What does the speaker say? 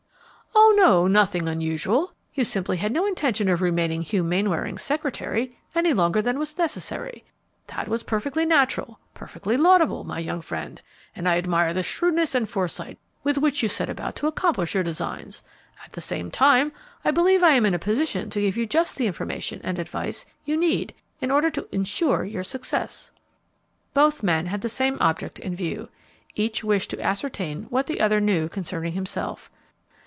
"Oh, no, nothing unusual. You simply had no intention of remaining Hugh Mainwaring's secretary any longer than was necessary. That was perfectly natural, perfectly laudable, my young friend, and I admire the shrewdness and foresight with which you set about to accomplish your designs. At the same time, I believe I am in a position to give you just the information and advice you need in order to insure your success." Both men had the same object in view. Each wished to ascertain what the other knew concerning himself.